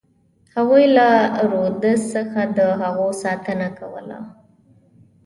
هغوی له رودز څخه د هغو ساتنه کوله.